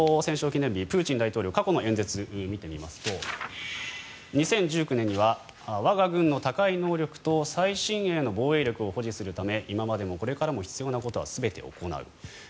記念日プーチン大統領過去の演説を見てみますと２０１９年には我が軍の高い能力と最新鋭の暴力を保持するため今までもこれからも必要なことは全て行う。